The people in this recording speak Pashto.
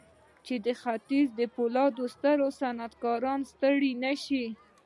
چې د ختيځ د پولادو ستر صنعتکاران ستړي نه شي.